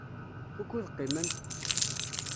Wukud qimen?